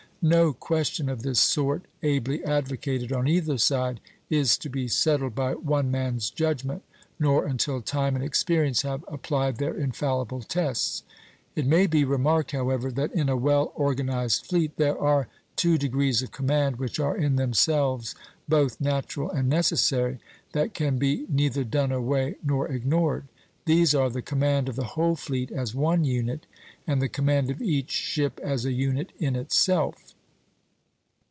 No question of this sort, ably advocated on either side, is to be settled by one man's judgment, nor until time and experience have applied their infallible tests. It may be remarked, however, that in a well organized fleet there are two degrees of command which are in themselves both natural and necessary, that can be neither done away nor ignored; these are the command of the whole fleet as one unit, and the command of each ship as a unit in itself.